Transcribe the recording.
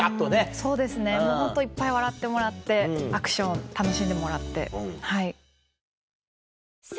そうですねホントいっぱい笑ってもらってアクション楽しんでもらってはい。